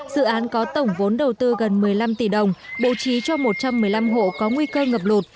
dự án có tổng vốn đầu tư gần một mươi năm tỷ đồng bố trí cho một trăm một mươi năm hộ có nguy cơ ngập lụt